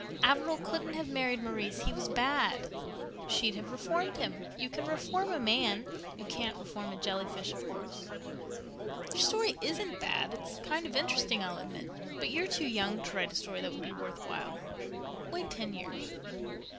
"Averil couldn't have married Maurice. He was bad." "She'd have reformed him. You can reform a man; you can't reform a jelly fish, of course. Your story isn't bad—it's kind of interesting, I'll admit. But you're too young to write a story that would be worth while. Wait ten years."